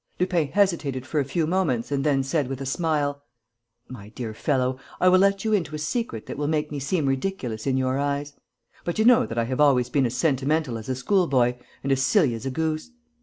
Lupin hesitated for a few moments and then said with a smile: "My dear fellow, I will let you into a secret that will make me seem ridiculous in your eyes. But you know that I have always been as sentimental as a schoolboy and as silly as a goose.